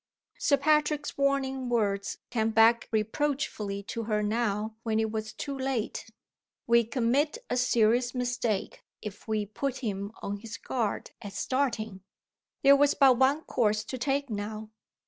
Sir Patrick's warning words came back reproachfully to her now when it was too late. "We commit a serious mistake if we put him on his guard at starting." There was but one course to take now.